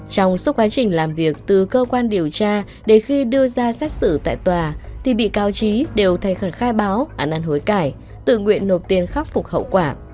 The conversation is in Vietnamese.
trong suốt quá trình làm việc từ cơ quan điều tra đến khi đưa ra xét xử tại tòa thì bị cáo trí đều thành khẩn khai báo ăn ăn hối cải tự nguyện nộp tiền khắc phục hậu quả